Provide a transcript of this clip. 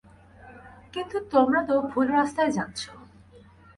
কিন্তু তোমরা তো ভুল রাস্তায় যাচ্ছ।